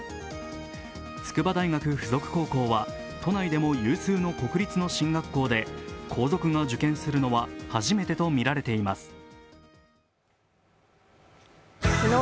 筑波大学附属高校は都内でも有数の国立の進学校で、皇族が受験するのは初めてとみられています。